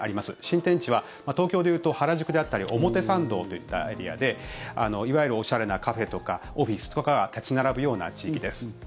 新天地は東京でいうと原宿であったり表参道といったエリアでいわゆるおしゃれなカフェとかオフィスとかが立ち並ぶような地域です。